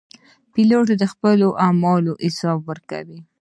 پیلوټ د خپلو عملو حساب ورکوي.